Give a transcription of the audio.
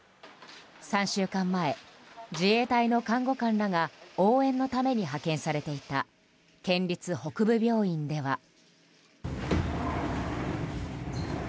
３週間前、自衛隊の看護官らが応援のために派遣されていた県立北部病院では。